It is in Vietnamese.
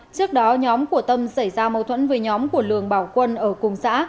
trước đó nhóm của tâm xảy ra mâu thuẫn với nhóm của lường bảo quân ở cùng xã